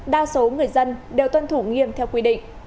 đa số người dân đều tuân thủ nghiêm theo quy định